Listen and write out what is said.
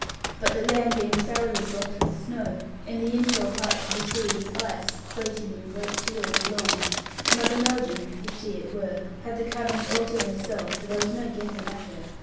But the land, being thoroughly blocked with snow, and the inshore parts of the sea with ice (floating in great fields along), Mother Melldrum (if she it were) had the caverns all to herself, for there was no getting at her.